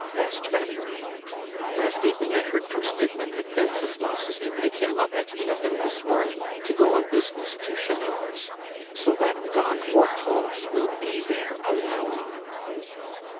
asked Valerie. "Last evening I heard from Stidmann that Wenceslas is to pick him up at eleven this morning to go on business to Chanor's; so that gawk Hortense will be there alone."